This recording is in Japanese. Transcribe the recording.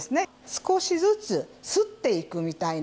少しずつすっていくみたいな。